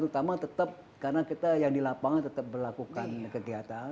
terutama tetap karena kita yang di lapangan tetap berlakukan kegiatan